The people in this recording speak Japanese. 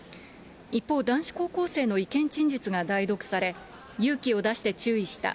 一方、男子高校生の意見陳述が代読され、勇気を出して注意した。